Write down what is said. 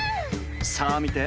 さあ見て！